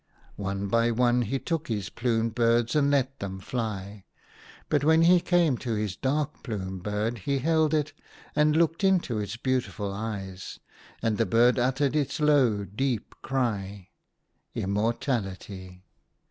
One by one he took his plumed birds and let them fly. But, when he came to his dark plumed bird, he held it, and looked into its beautiful eyes, and the bird uttered its low deep cry —" Im mortality